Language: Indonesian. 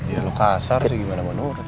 ya lu kasar sih gimana sama nur